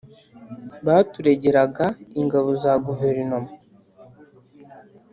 baturegeraga ingabo za guverinoma